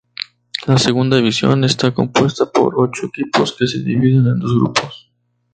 La segunda división está compuesta por ocho equipos que se dividen en dos grupos.